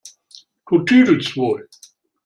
Du tüdelst wohl!